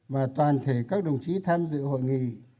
và toàn thể các đồng chí tham dự hội nghị